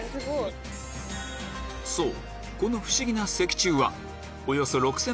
そう！